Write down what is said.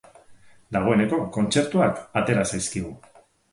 Dagoeneko kontzertuak atera zaizkigu.